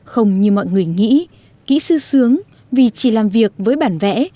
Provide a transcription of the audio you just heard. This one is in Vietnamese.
không như mọi người nghĩ kỹ sư sướng vì chỉ làm việc với bản vẽ